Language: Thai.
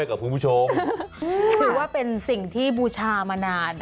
คือว่าเป็นสิ่งที่บุชามานานนะคะ